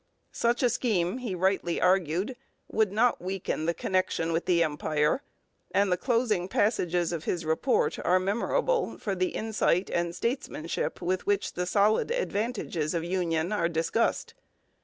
Such a scheme, he rightly argued, would not weaken the connection with the Empire, and the closing passages of his Report are memorable for the insight and statesmanship with which the solid advantages of union are discussed.